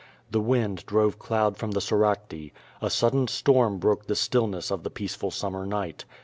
The wind drove cloud from the Soracte. A sudden storm broke the stillness of the peaceful summer night.